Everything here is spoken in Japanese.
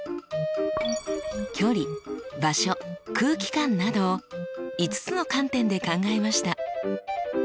「距離」「場所」「空気感」など５つの観点で考えました。